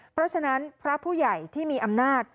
เพราะฉะนั้นพระผู้ใหญ่ที่มีอำนาจ